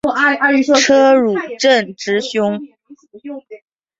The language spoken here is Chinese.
车汝震之兄。